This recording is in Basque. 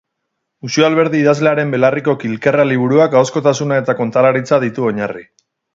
Uxue Alberdi idazlearen "Belarriko kilkerra" liburuak ahozkotasuna eta kontalaritza ditu oinarri.